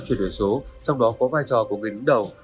chuyển đổi số trong đó có vai trò của người đứng đầu